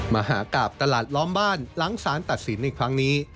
มหากราบตลาดล้อมบ้านหลังสารตัดสินในครั้งนี้